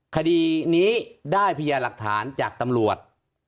คดีนี้ได้พยาหลักฐานจากตำรวจ